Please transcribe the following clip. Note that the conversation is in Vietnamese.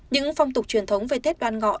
những phong tục truyền thống về tết đoàn ngọc